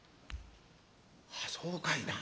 ああそうかいな。